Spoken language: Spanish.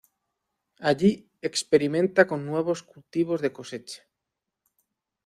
Allí experimenta con nuevos cultivos de cosecha.